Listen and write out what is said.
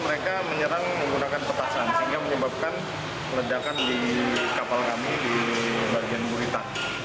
mereka menyerang kapal petasan sehingga menyebabkan kelejakan di kapal kami di bagian burita